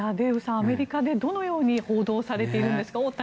アメリカでどのように報道されているんですか？